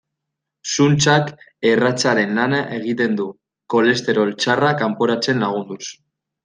Zuntzak erratzaren lana egiten du, kolesterol txarra kanporatzen lagunduz.